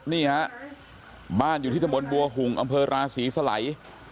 นี่ฮะบ้านอยู่ที่ตะบนบัวหุ่งอำเภอราศรีสลัย